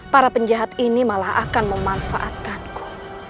para penjahat ini malah akan memanfaatkanku